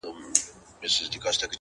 زړه لکه هينداره ښيښې گلي،